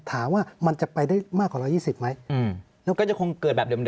ถามว่ามันจะไปได้มากกว่า๑๒๐ไหมแล้วก็จะคงเกิดแบบเดิม